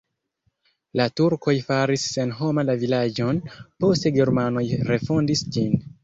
La turkoj faris senhoma la vilaĝon, poste germanoj refondis ĝin.